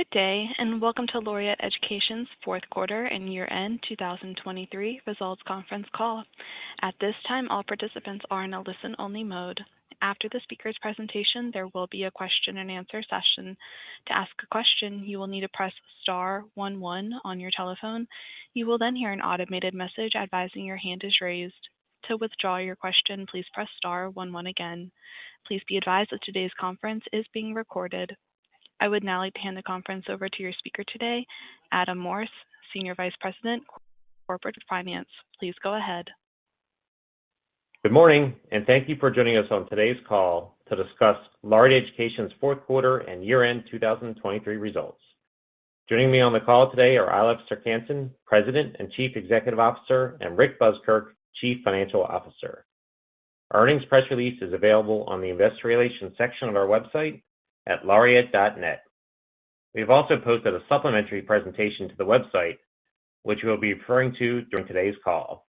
Good day and welcome to Laureate Education's Fourth Quarter and Year-End 2023 Results Conference Call. At this time, all participants are in a listen-only mode. After the speaker's presentation, there will be a question-and-answer session. To ask a question, you will need to press star one one on your telephone. You will then hear an automated message advising your hand is raised. To withdraw your question, please press star one one again. Please be advised that today's conference is being recorded. I would now like to hand the conference over to your speaker today, Adam Morse, Senior Vice President, Corporate Finance. Please go ahead. Good morning, and thank you for joining us on today's call to discuss Laureate Education's Fourth Quarter and Year-End 2023 Results. Joining me on the call today are Eilif Serck-Hanssen, President and Chief Executive Officer, and Rick Buskirk, Chief Financial Officer. Our earnings press release is available on the investor relations section of our website at laureate.net. We've also posted a supplementary presentation to the website, which we'll be referring to during today's call.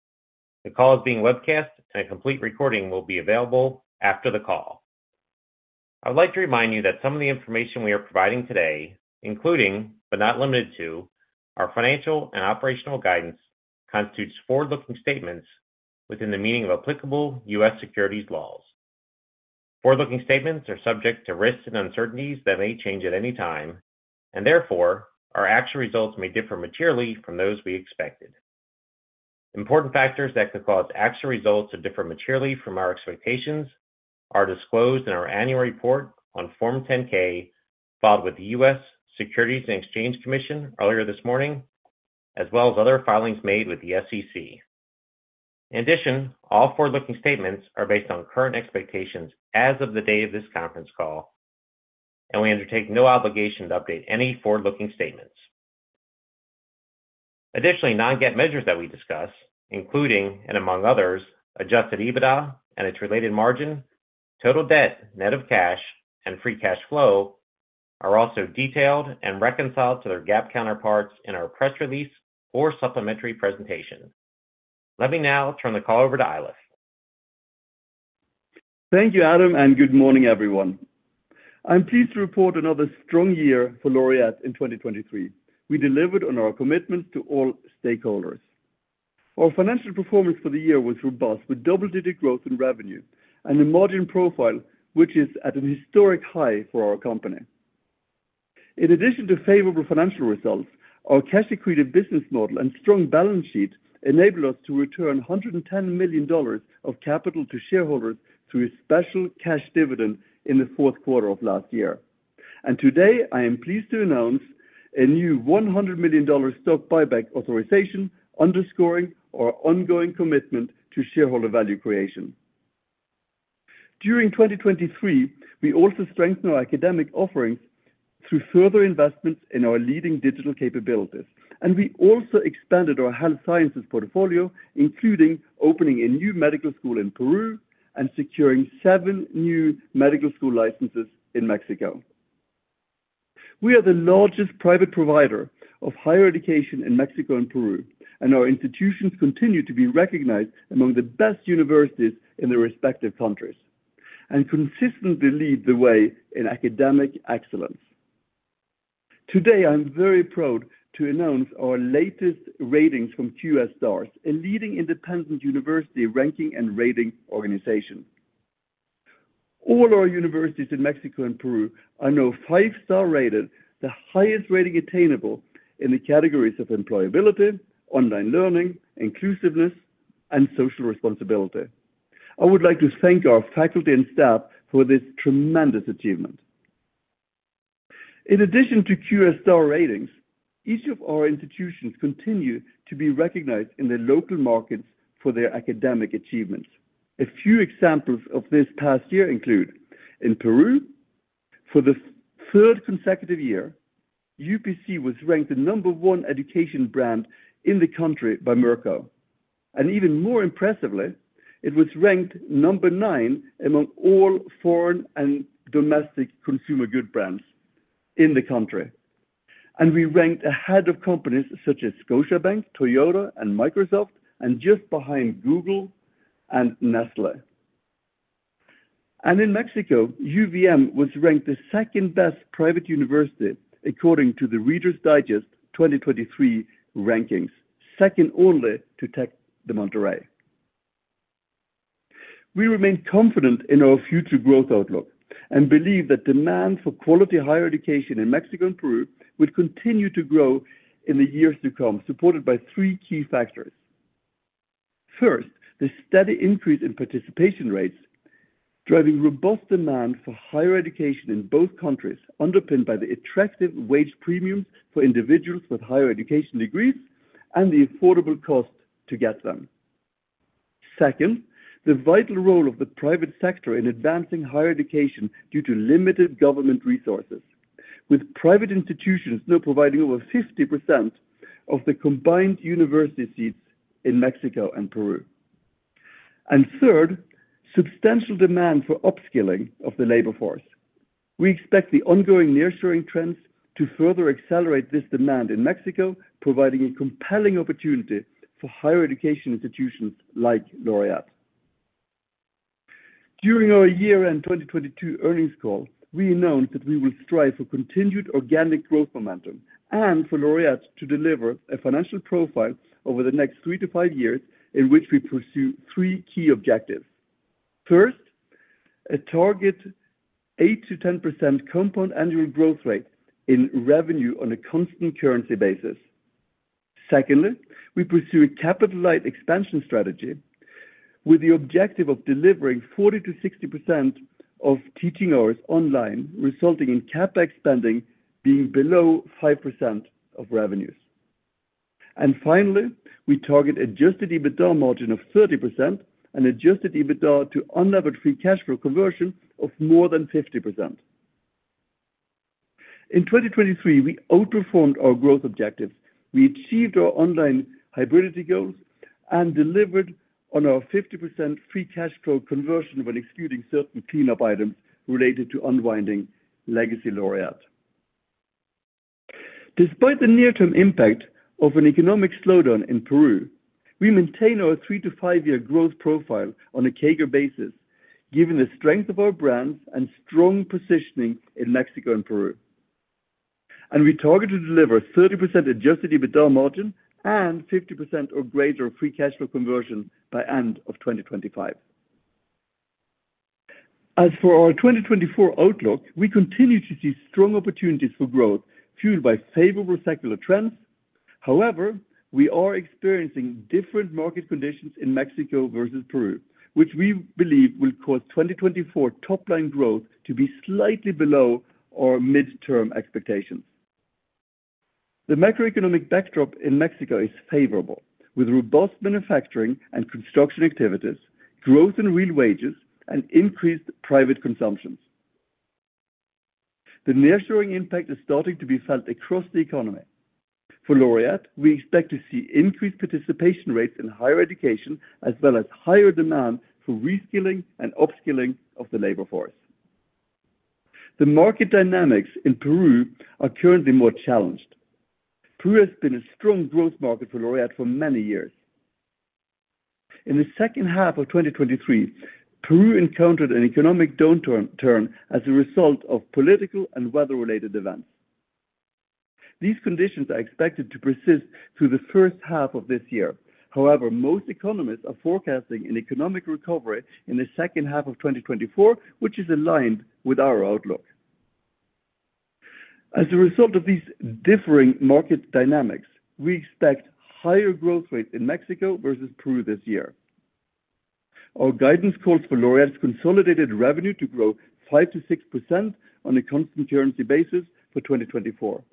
The call is being webcast, and a complete recording will be available after the call. I would like to remind you that some of the information we are providing today, including but not limited to, our financial and operational guidance constitutes forward-looking statements within the meaning of applicable U.S. securities laws. Forward-looking statements are subject to risks and uncertainties that may change at any time, and therefore our actual results may differ materially from those we expected. Important factors that could cause actual results to differ materially from our expectations are disclosed in our annual report on Form 10-K filed with the U.S. Securities and Exchange Commission earlier this morning, as well as other filings made with the SEC. In addition, all forward-looking statements are based on current expectations as of the day of this conference call, and we undertake no obligation to update any forward-looking statements. Additionally, non-GAAP measures that we discuss, including and among others, Adjusted EBITDA and its related margin, total debt net of cash, and free cash flow, are also detailed and reconciled to their GAAP counterparts in our press release or supplementary presentation. Let me now turn the call over to Eilif. Thank you, Adam, and good morning, everyone. I'm pleased to report another strong year for Laureate in 2023. We delivered on our commitments to all stakeholders. Our financial performance for the year was robust, with double-digit growth in revenue and a margin profile which is at a historic high for our company. In addition to favorable financial results, our cash equity business model and strong balance sheet enabled us to return $110 million of capital to shareholders through a special cash dividend in the fourth quarter of last year. Today, I am pleased to announce a new $100 million stock buyback authorization, underscoring our ongoing commitment to shareholder value creation. During 2023, we also strengthened our academic offerings through further investments in our leading digital capabilities, and we also expanded our health sciences portfolio, including opening a new medical school in Peru and securing seven new medical school licenses in Mexico. We are the largest private provider of higher education in Mexico and Peru, and our institutions continue to be recognized among the best universities in their respective countries and consistently lead the way in academic excellence. Today, I'm very proud to announce our latest ratings from QS Stars, a leading independent university ranking and rating organization. All our universities in Mexico and Peru are now 5-star rated, the highest rating attainable in the categories of employability, online learning, inclusiveness, and social responsibility. I would like to thank our faculty and staff for this tremendous achievement. In addition to QS Stars ratings, each of our institutions continue to be recognized in the local markets for their academic achievements. A few examples of this past year include: in Peru, for the third consecutive year, UPC was ranked number 1 education brand in the country by Merco. Even more impressively, it was ranked number 9 among all foreign and domestic consumer goods brands in the country. We ranked ahead of companies such as Scotiabank, Toyota, and Microsoft, and just behind Google and Nestlé. In Mexico, UVM was ranked the second-best private university according to the Reader's Digest 2023 rankings, second only to Tec de Monterrey. We remain confident in our future growth outlook and believe that demand for quality higher education in Mexico and Peru would continue to grow in the years to come, supported by three key factors. First, the steady increase in participation rates, driving robust demand for higher education in both countries, underpinned by the attractive wage premiums for individuals with higher education degrees and the affordable cost to get them. Second, the vital role of the private sector in advancing higher education due to limited government resources, with private institutions now providing over 50% of the combined university seats in Mexico and Peru. Third, substantial demand for upskilling of the labor force. We expect the ongoing nearshoring trends to further accelerate this demand in Mexico, providing a compelling opportunity for higher education institutions like Laureate. During our year-end 2022 earnings call, we announced that we will strive for continued organic growth momentum and for Laureate to deliver a financial profile over the next three to five years in which we pursue three key objectives. First, a target 8%-10% compound annual growth rate in revenue on a constant currency basis. Secondly, we pursue a capital-light expansion strategy with the objective of delivering 40%-60% of teaching hours online, resulting in CapEx spending being below 5% of revenues. And finally, we target adjusted EBITDA margin of 30% and adjusted EBITDA to unlevered free cash flow conversion of more than 50%. In 2023, we outperformed our growth objectives. We achieved our online hybridity goals and delivered on our 50% free cash flow conversion when excluding certain cleanup items related to unwinding legacy Laureate. Despite the near-term impact of an economic slowdown in Peru, we maintain our 3-5 year growth profile on a CAGR basis, given the strength of our brands and strong positioning in Mexico and Peru. We target to deliver 30% adjusted EBITDA margin and 50% or greater free cash flow conversion by end of 2025. As for our 2024 outlook, we continue to see strong opportunities for growth fueled by favorable secular trends. However, we are experiencing different market conditions in Mexico versus Peru, which we believe will cause 2024 top-line growth to be slightly below our mid-term expectations. The macroeconomic backdrop in Mexico is favorable, with robust manufacturing and construction activities, growth in real wages, and increased private consumption. The nearshoring impact is starting to be felt across the economy. For Laureate, we expect to see increased participation rates in higher education as well as higher demand for reskilling and upskilling of the labor force. The market dynamics in Peru are currently more challenged. Peru has been a strong growth market for Laureate for many years. In the second half of 2023, Peru encountered an economic downturn as a result of political and weather-related events. These conditions are expected to persist through the first half of this year. However, most economists are forecasting an economic recovery in the second half of 2024, which is aligned with our outlook. As a result of these differing market dynamics, we expect higher growth rates in Mexico versus Peru this year. Our guidance calls for Laureate's consolidated revenue to grow 5%-6% on a constant currency basis for 2024.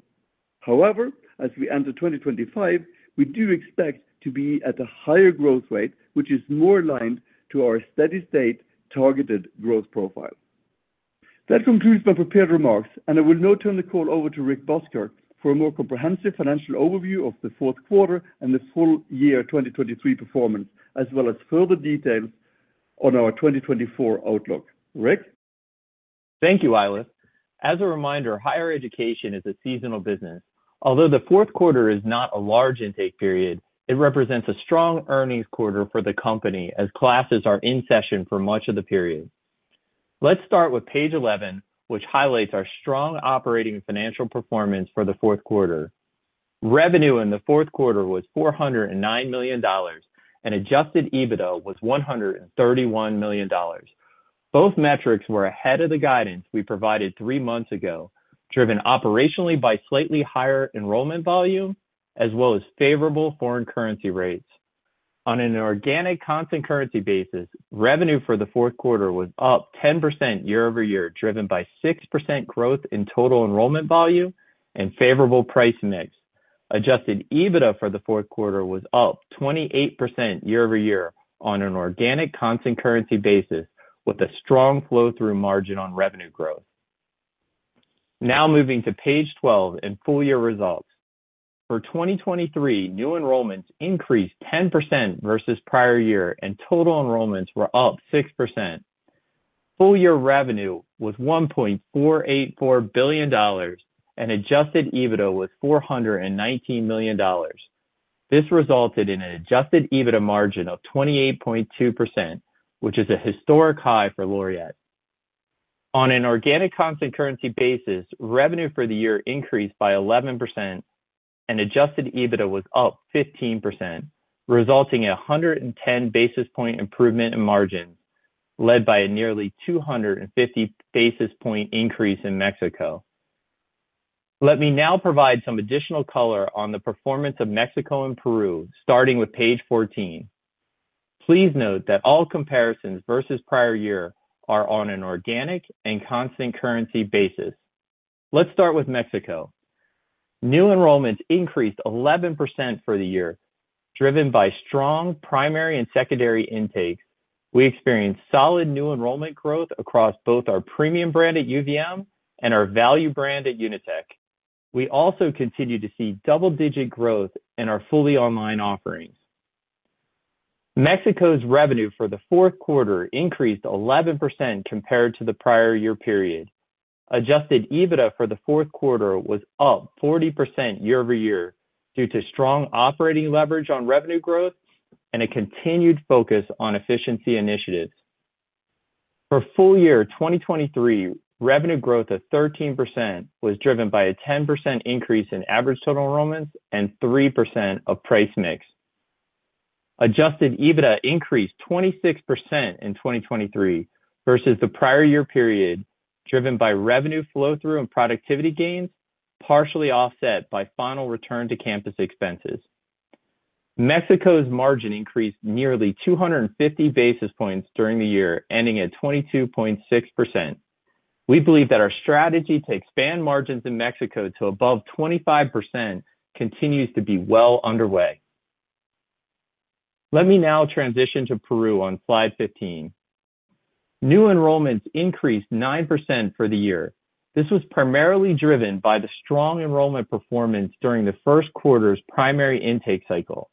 However, as we enter 2025, we do expect to be at a higher growth rate, which is more aligned to our steady-state targeted growth profile. That concludes my prepared remarks, and I will now turn the call over to Rick Buskirk for a more comprehensive financial overview of the fourth quarter and the full year 2023 performance, as well as further details on our 2024 outlook. Rick? Thank you, Eilif. As a reminder, higher education is a seasonal business. Although the fourth quarter is not a large intake period, it represents a strong earnings quarter for the company as classes are in session for much of the period. Let's start with page 11, which highlights our strong operating financial performance for the fourth quarter. Revenue in the fourth quarter was $409 million, and adjusted EBITDA was $131 million. Both metrics were ahead of the guidance we provided three months ago, driven operationally by slightly higher enrollment volume as well as favorable foreign currency rates. On an organic constant currency basis, revenue for the fourth quarter was up 10% year-over-year, driven by 6% growth in total enrollment volume and favorable price mix. Adjusted EBITDA for the fourth quarter was up 28% year-over-year on an organic constant currency basis, with a strong flow-through margin on revenue growth. Now moving to page 12 and full-year results. For 2023, new enrollments increased 10% versus prior year, and total enrollments were up 6%. Full-year revenue was $1.484 billion, and adjusted EBITDA was $419 million. This resulted in an adjusted EBITDA margin of 28.2%, which is a historic high for Laureate. On an organic constant currency basis, revenue for the year increased by 11%, and adjusted EBITDA was up 15%, resulting in a 110 basis points improvement in margins, led by a nearly 250 basis points increase in Mexico. Let me now provide some additional color on the performance of Mexico and Peru, starting with page 14. Please note that all comparisons versus prior year are on an organic and constant currency basis. Let's start with Mexico. New enrollments increased 11% for the year, driven by strong primary and secondary intakes. We experienced solid new enrollment growth across both our premium brand at UVM and our value brand at UNITEC. We also continue to see double-digit growth in our fully online offerings. Mexico's revenue for the fourth quarter increased 11% compared to the prior year period. Adjusted EBITDA for the fourth quarter was up 40% year-over-year due to strong operating leverage on revenue growth and a continued focus on efficiency initiatives. For the full-year 2023, revenue growth of 13% was driven by a 10% increase in average total enrollments and 3% of price mix. Adjusted EBITDA increased 26% in 2023 versus the prior year period, driven by revenue flow-through and productivity gains, partially offset by final return-to-campus expenses. Mexico's margin increased nearly 250 basis points during the year, ending at 22.6%. We believe that our strategy to expand margins in Mexico to above 25% continues to be well underway. Let me now transition to Peru on slide 15. New enrollments increased 9% for the year. This was primarily driven by the strong enrollment performance during the first quarter's primary intake cycle.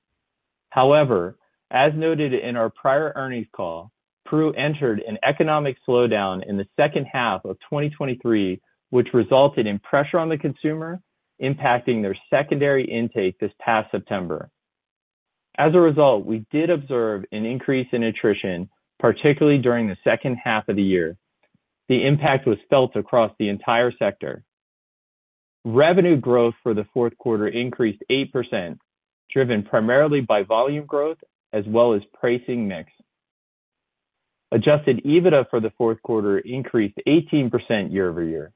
However, as noted in our prior earnings call, Peru entered an economic slowdown in the second half of 2023, which resulted in pressure on the consumer, impacting their secondary intake this past September. As a result, we did observe an increase in attrition, particularly during the second half of the year. The impact was felt across the entire sector. Revenue growth for the fourth quarter increased 8%, driven primarily by volume growth as well as pricing mix. Adjusted EBITDA for the fourth quarter increased 18% year-over-year.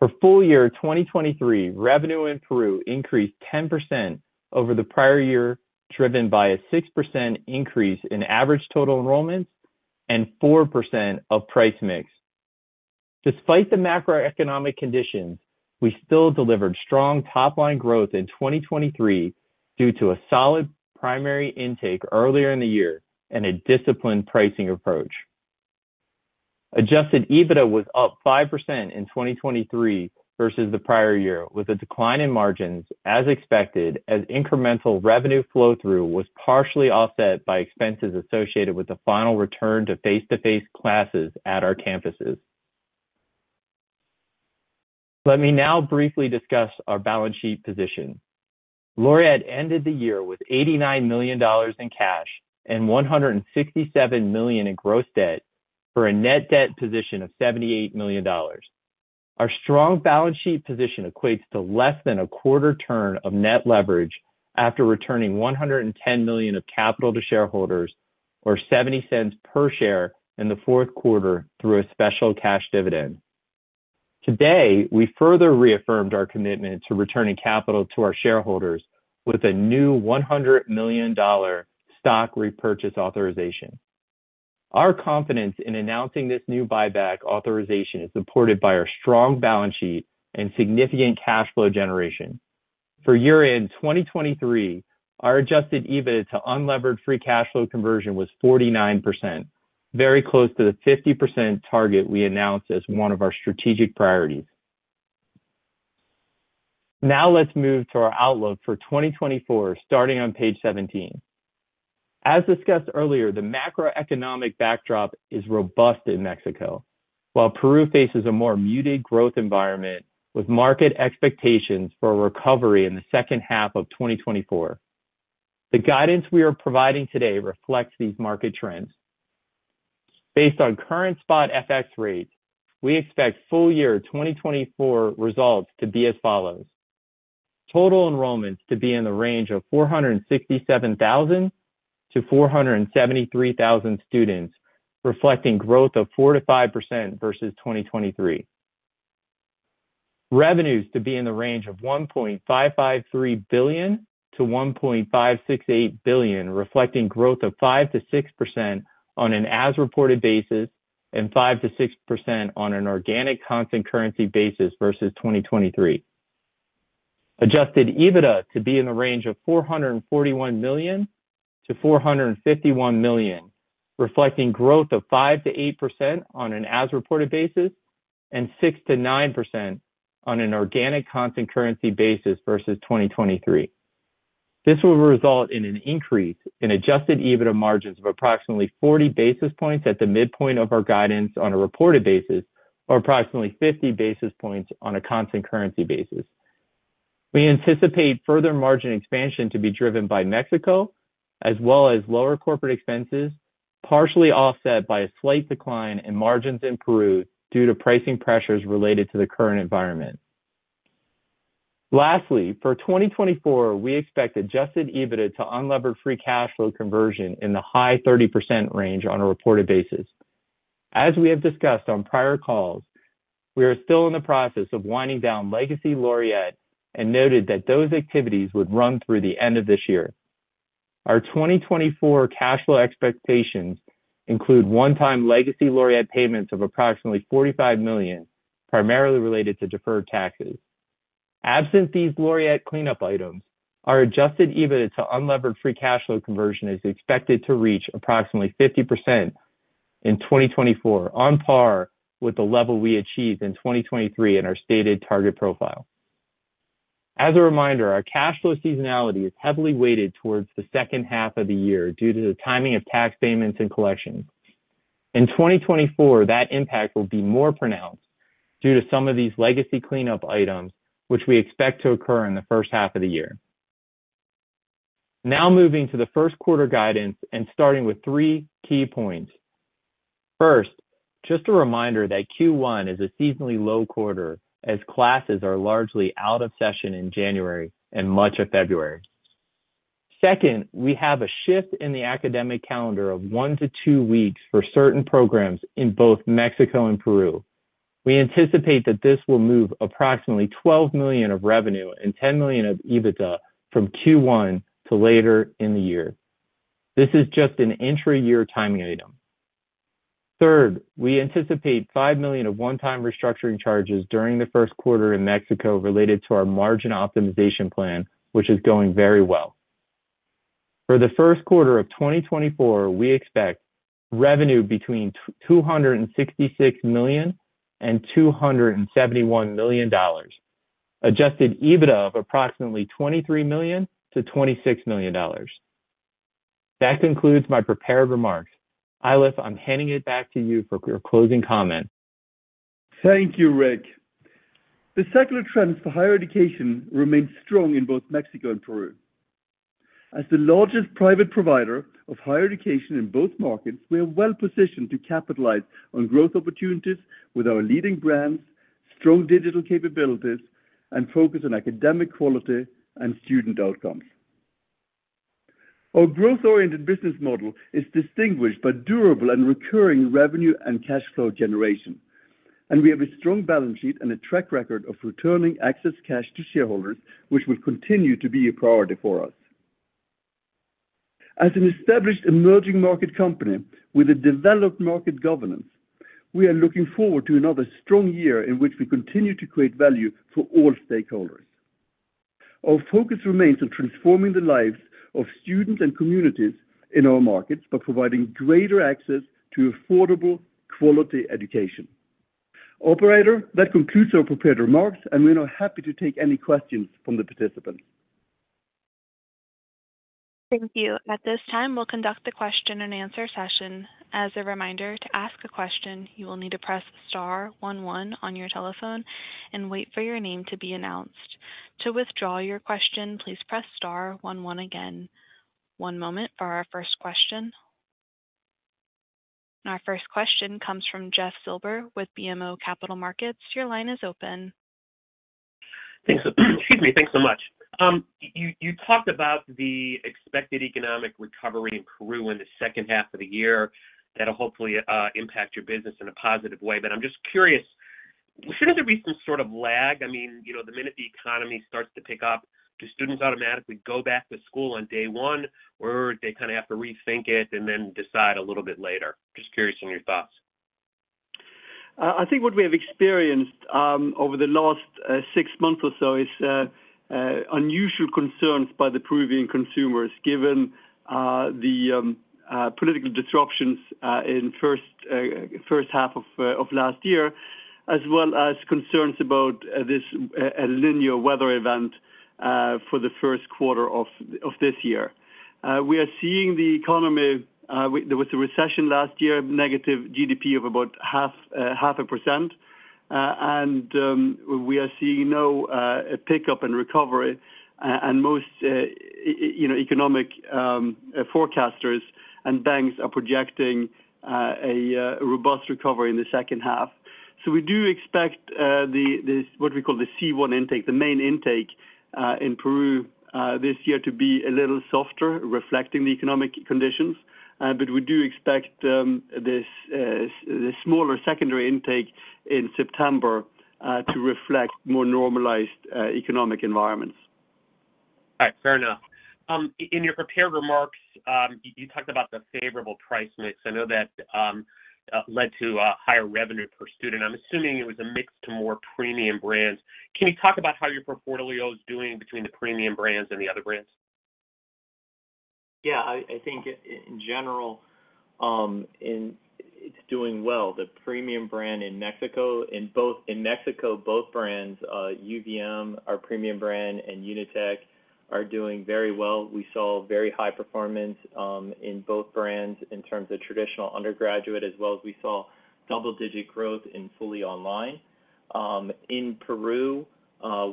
For full-year 2023, revenue in Peru increased 10% over the prior year, driven by a 6% increase in average total enrollments and 4% of price mix. Despite the macroeconomic conditions, we still delivered strong top-line growth in 2023 due to a solid primary intake earlier in the year and a disciplined pricing approach. Adjusted EBITDA was up 5% in 2023 versus the prior year, with a decline in margins as expected, as incremental revenue flow-through was partially offset by expenses associated with the final return to face-to-face classes at our campuses. Let me now briefly discuss our balance sheet position. Laureate ended the year with $89 million in cash and $167 million in gross debt for a net debt position of $78 million. Our strong balance sheet position equates to less than a quarter turn of net leverage after returning $110 million of capital to shareholders, or $0.70 per share in the fourth quarter through a special cash dividend. Today, we further reaffirmed our commitment to returning capital to our shareholders with a new $100 million stock repurchase authorization. Our confidence in announcing this new buyback authorization is supported by our strong balance sheet and significant cash flow generation. For year-end 2023, our adjusted EBITDA to Unlevered Free Cash Flow conversion was 49%, very close to the 50% target we announced as one of our strategic priorities. Now let's move to our outlook for 2024, starting on page 17. As discussed earlier, the macroeconomic backdrop is robust in Mexico, while Peru faces a more muted growth environment with market expectations for a recovery in the second half of 2024. The guidance we are providing today reflects these market trends. Based on current spot FX rates, we expect full-year 2024 results to be as follows: total enrollments to be in the range of 467,000-473,000 students, reflecting growth of 4%-5% versus 2023. Revenues to be in the range of $1.553 billion to $1.568 billion, reflecting growth of 5%-6% on an as-reported basis and 5%-6% on an organic constant currency basis versus 2023. Adjusted EBITDA to be in the range of $441 million to $451 million, reflecting growth of 5%-8% on an as-reported basis and 6%-9% on an organic constant currency basis versus 2023. This will result in an increase in adjusted EBITDA margins of approximately 40 basis points at the midpoint of our guidance on a reported basis, or approximately 50 basis points on a constant currency basis. We anticipate further margin expansion to be driven by Mexico, as well as lower corporate expenses, partially offset by a slight decline in margins in Peru due to pricing pressures related to the current environment. Lastly, for 2024, we expect adjusted EBITDA to Unlevered Free Cash Flow conversion in the high 30% range on a reported basis. As we have discussed on prior calls, we are still in the process of winding down legacy Laureate and noted that those activities would run through the end of this year. Our 2024 cash flow expectations include one-time legacy Laureate payments of approximately $45 million, primarily related to deferred taxes. Absent these Laureate cleanup items, our Adjusted EBITDA to unlevered free cash flow conversion is expected to reach approximately 50% in 2024, on par with the level we achieved in 2023 in our stated target profile. As a reminder, our cash flow seasonality is heavily weighted towards the second half of the year due to the timing of tax payments and collections. In 2024, that impact will be more pronounced due to some of these legacy cleanup items, which we expect to occur in the first half of the year. Now moving to the first quarter guidance and starting with three key points. First, just a reminder that Q1 is a seasonally low quarter as classes are largely out of session in January and much of February. Second, we have a shift in the academic calendar of 1-2 weeks for certain programs in both Mexico and Peru. We anticipate that this will move approximately $12 million of revenue and $10 million of EBITDA from Q1 to later in the year. This is just an entry-year timing item. Third, we anticipate $5 million of one-time restructuring charges during the first quarter in Mexico related to our margin optimization plan, which is going very well. For the first quarter of 2024, we expect revenue between $266 million and $271 million, adjusted EBITDA of approximately $23 million to $26 million. That concludes my prepared remarks. Eilif, I'm handing it back to you for your closing comment. Thank you, Rick. The secular trends for higher education remain strong in both Mexico and Peru. As the largest private provider of higher education in both markets, we are well positioned to capitalize on growth opportunities with our leading brands, strong digital capabilities, and focus on academic quality and student outcomes. Our growth-oriented business model is distinguished by durable and recurring revenue and cash flow generation, and we have a strong balance sheet and a track record of returning excess cash to shareholders, which will continue to be a priority for us. As an established emerging market company with a developed market governance, we are looking forward to another strong year in which we continue to create value for all stakeholders. Our focus remains on transforming the lives of students and communities in our markets by providing greater access to affordable, quality education. Operator, that concludes our prepared remarks, and we are now happy to take any questions from the participants. Thank you. At this time, we'll conduct the question-and-answer session. As a reminder, to ask a question, you will need to press star one one on your telephone and wait for your name to be announced. To withdraw your question, please press star one one again. One moment for our first question. Our first question comes from Jeff Silber with BMO Capital Markets. Your line is open. Thanks. Excuse me. Thanks so much. You talked about the expected economic recovery in Peru in the second half of the year that will hopefully impact your business in a positive way, but I'm just curious, shouldn't there be some sort of lag? I mean, the minute the economy starts to pick up, do students automatically go back to school on day one, or do they kind of have to rethink it and then decide a little bit later? Just curious on your thoughts. I think what we have experienced over the last six months or so is unusual concerns by the Peruvian consumers given the political disruptions in the first half of last year, as well as concerns about this El Niño for the first quarter of this year. We are seeing the economy there was a recession last year, negative GDP of about 0.5%, and we are seeing no pickup and recovery, and most economic forecasters and banks are projecting a robust recovery in the second half. So we do expect what we call the C1 intake, the main intake in Peru this year to be a little softer, reflecting the economic conditions, but we do expect this smaller secondary intake in September to reflect more normalized economic environments. All right. Fair enough. In your prepared remarks, you talked about the favorable price mix. I know that led to higher revenue per student. I'm assuming it was a mix to more premium brands. Can you talk about how your portfolio is doing between the premium brands and the other brands? In general, it's doing well. The premium brand in Mexico in Mexico, both brands, UVM, our premium brand, and UNITEC, are doing very well. We saw very high performance in both brands in terms of traditional undergraduate, as well as we saw double-digit growth in fully online. In Peru,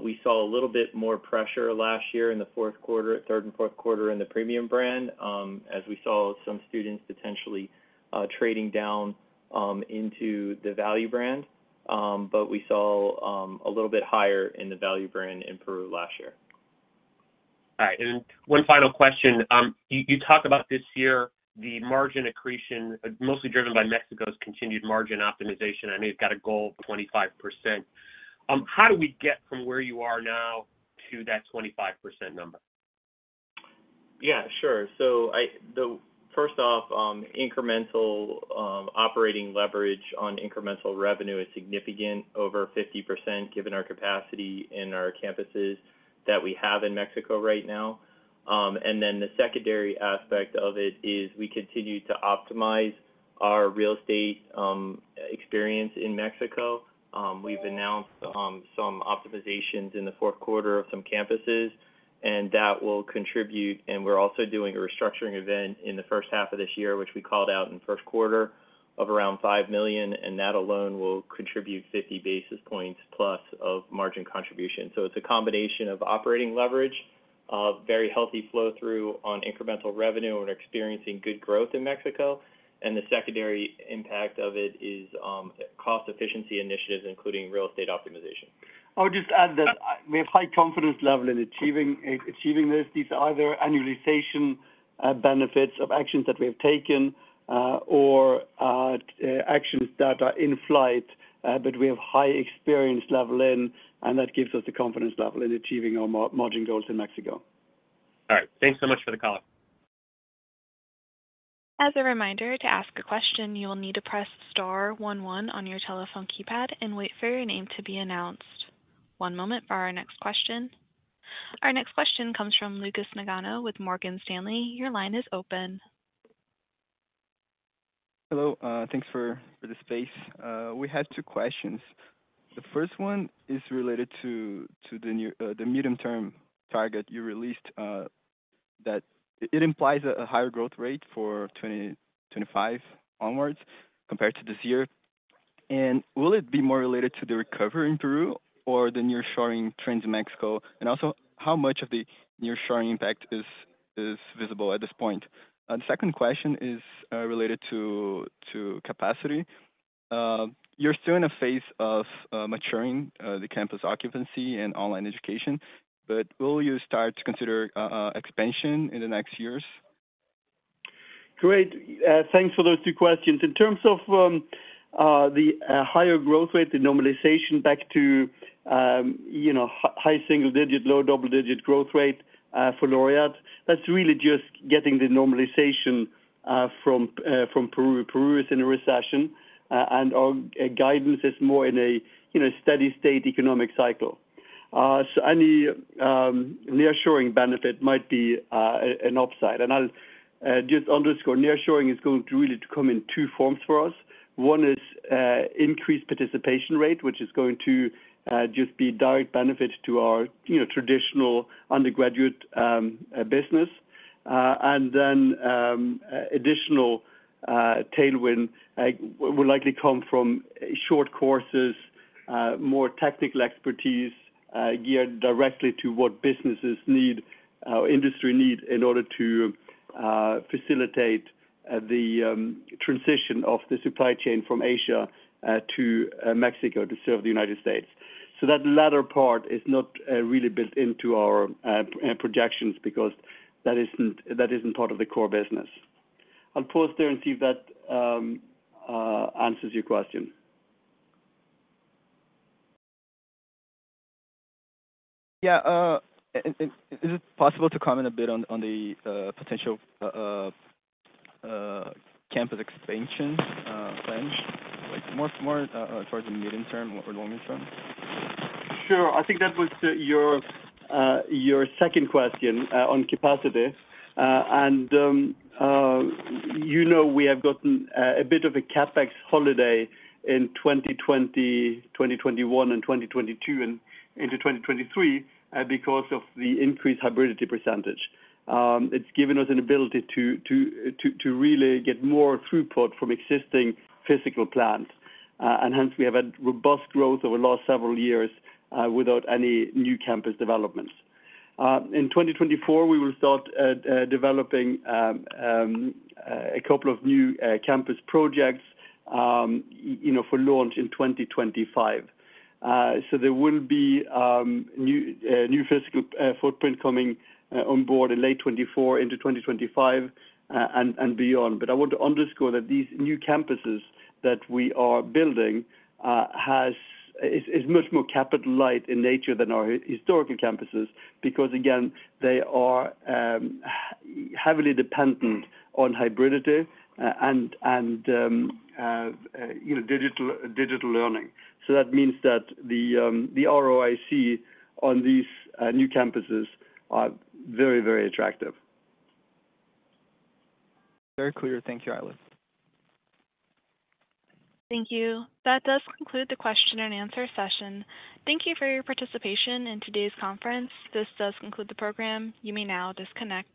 we saw a little bit more pressure last year in the fourth quarter, third and fourth quarter, in the premium brand, as we saw some students potentially trading down into the value brand, but we saw a little bit higher in the value brand in Peru last year. All right. And one final question. You talk about this year, the margin accretion, mostly driven by Mexico's continued margin optimization. I know you've got a goal of 25%. How do we get from where you are now to that 25% number? First off, incremental operating leverage on incremental revenue is significant over 50% given our capacity in our campuses that we have in Mexico right now. And then the secondary aspect of it is we continue to optimize our real estate experience in Mexico. We've announced some optimizations in the fourth quarter of some campuses, and that will contribute and we're also doing a restructuring event in the first half of this year, which we called out in the first quarter, of around $5 million, and that alone will contribute 50 basis points+ of margin contribution. So it's a combination of operating leverage, very healthy flow-through on incremental revenue. We're experiencing good growth in Mexico, and the secondary impact of it is cost-efficiency initiatives, including real estate optimization. I would just add that we have a high confidence level in achieving this. These are either annualization benefits of actions that we have taken or actions that are in flight, but we have a high experience level in, and that gives us the confidence level in achieving our margin goals in Mexico. All right. Thanks so much for the call. As a reminder, to ask a question, you will need to press star one one on your telephone keypad and wait for your name to be announced. One moment for our next question. Our next question comes from Lucas Nagano with Morgan Stanley. Your line is open. Hello. Thanks for the space. We had two questions. The first one is related to the medium-term target you released. It implies a higher growth rate for 2025 onwards compared to this year. And will it be more related to the recovery in Peru or the nearshoring trends in Mexico, and also how much of the Nearshoring impact is visible at this point? The second question is related to capacity. You're still in a phase of maturing the campus occupancy and online education, but will you start to consider expansion in the next years? Great. Thanks for those two questions. In terms of the higher growth rate, the normalization back to high single-digit, low double-digit growth rate for Laureate, that's really just getting the normalization from Peru. Peru is in a recession, and our guidance is more in a steady-state economic cycle. So any nearshoring benefit might be an upside. And I'll just underscore, nearshoring is going to really come in two forms for us. One is increased participation rate, which is going to just be a direct benefit to our traditional undergraduate business. And then additional tailwind will likely come from short courses, more technical expertise geared directly to what businesses need, industry need, in order to facilitate the transition of the supply chain from Asia to Mexico to serve the United States. So that latter part is not really built into our projections because that isn't part of the core business. I'll pause there and see if that answers your question. Yeah. Is it possible to comment a bit on the potential campus expansion plans, more towards the medium term or longer term? Sure. I think that was your second question on capacity. And you know we have gotten a bit of a CapEx holiday in 2020, 2021, and 2022, and into 2023 because of the increased hybridity percentage. It's given us an ability to really get more throughput from existing physical plants. And hence, we have had robust growth over the last several years without any new campus developments. In 2024, we will start developing a couple of new campus projects for launch in 2025. So there will be new physical footprint coming on board in late 2024 into 2025 and beyond. But I want to underscore that these new campuses that we are building is much more capital-light in nature than our historical campuses because, again, they are heavily dependent on hybridity and digital learning. So that means that the ROIC on these new campuses are very, very attractive. Very clear. Thank you, Eilif. Thank you. That does conclude the question-and-answer session. Thank you for your participation in today's conference. This does conclude the program. You may now disconnect.